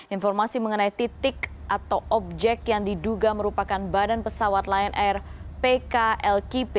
informasi mengenai titik atau objek yang diduga merupakan badan pesawat lion air pklkp